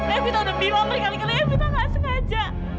aku sudah bilang berkali kali aku sudah ngasih saja